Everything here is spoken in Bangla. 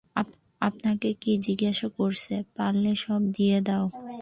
আমাকে কী জিজ্ঞাসা করছো, পারলে সব দিয়ে দাও।